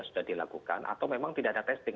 sudah dilakukan atau memang tidak ada testing